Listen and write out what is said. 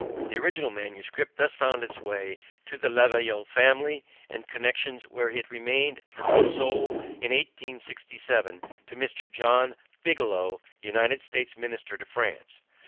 The original manuscript thus found its way to the Le Veillard family and connections, where it remained until sold in 1867 to Mr. John Bigelow, United States Minister to France.